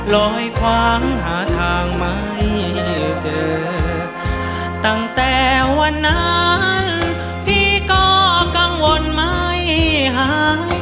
ลอยคว้างหาทางไม่เจอตั้งแต่วันนั้นพี่ก็กังวลไม่หาย